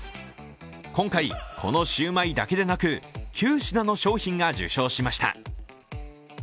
今回、このシューマイだけでなく、９品の商品が受賞しました。